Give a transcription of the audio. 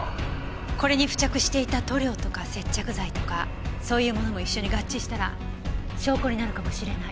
これに付着していた塗料とか接着剤とかそういうものも一緒に合致したら証拠になるかもしれない。